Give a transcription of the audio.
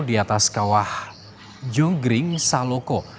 di atas kawah jogring saloko